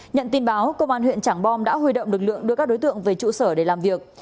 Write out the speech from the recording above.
nhận tin báo công an huyện trảng bom đã huy động lực lượng đưa các đối tượng về trụ sở để làm việc